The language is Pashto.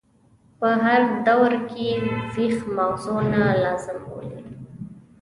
په هر دور کې یې ویښ مغزونه لازم بولي.